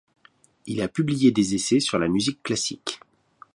Il a publié des essais sur la musique classique.